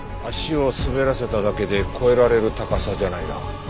足を滑らせただけで越えられる高さじゃないな。